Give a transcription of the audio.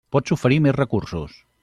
Pots oferir més recursos.